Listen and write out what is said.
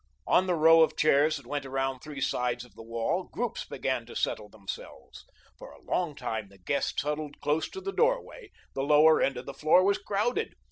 On the row of chairs that went around three sides of the wall groups began to settle themselves. For a long time the guests huddled close to the doorway; the lower end of the floor was crowded!